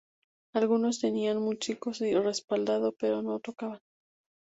Algunos tenían músicos de respaldo, pero no tocaban.